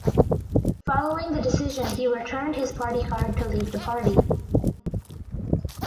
Following the decision he returned his party card to leave the party.